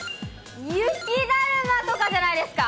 雪だるまとかじゃないですか。